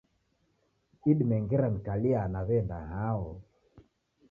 Idime ngera nikalia naw'enda hao